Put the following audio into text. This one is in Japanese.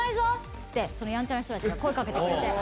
って、そのやんちゃな人たちが声かけてくれて。